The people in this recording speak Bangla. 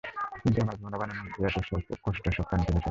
কিন্তু আমার গহনা বানানোর যে এতো কষ্ট সব পানিতে ভেসে গেলো।